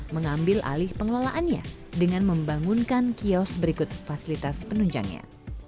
mengambil alih pengelolaannya dengan membangunkan kios berikut fasilitas penunjangnya